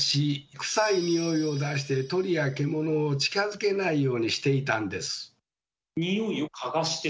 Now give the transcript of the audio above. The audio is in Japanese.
クサいニオイを出して鳥や獣を近づけないようにしていたんです。